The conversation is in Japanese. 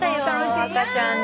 赤ちゃんね。